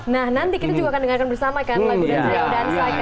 nah nanti kita juga akan dengarkan bersama kan lagu dansa ya dansa kan